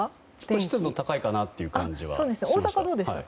湿度が高いかなという感じはしました。